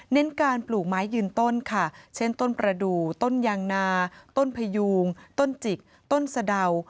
การปลูกไม้ยืนต้นค่ะเช่นต้นประดูกต้นยางนาต้นพยูงต้นจิกต้นสะเดา